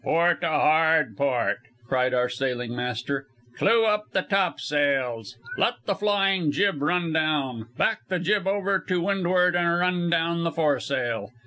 "Port! hard a port!" cried our sailing master. "Clew up the topsails! Let the flying jib run down! Back the jib over to windward and run down the foresail!"